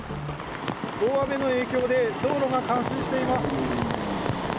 大雨の影響で道路が冠水しています。